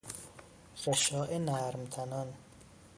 غشاء نرم تنان